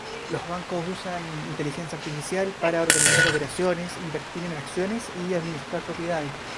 Los bancos usan inteligencia artificial para organizar operaciones, invertir en acciones y administrar propiedades.